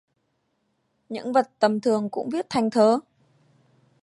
Những vật tầm thường cũng viết thành thơ